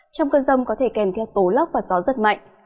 trong cơn rông có thể kèm theo tố lốc và gió rất mạnh